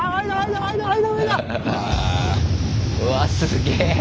うわすげえ。